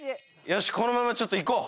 「よしこのままちょっといこう」